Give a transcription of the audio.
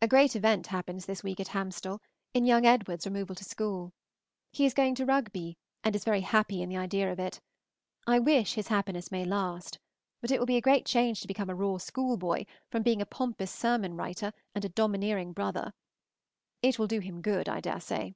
A great event happens this week at Hamstall in young Edward's removal to school. He is going to Rugby, and is very happy in the idea of it; I wish his happiness may last, but it will be a great change to become a raw school boy from being a pompous sermon writer and a domineering brother. It will do him good, I dare say.